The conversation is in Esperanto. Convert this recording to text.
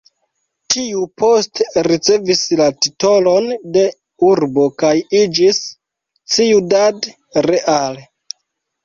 Tiu poste ricevis la titolon de urbo kaj iĝis Ciudad Real.